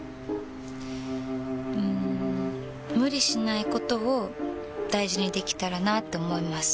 うん無理しないことを大事にできたらなって思います。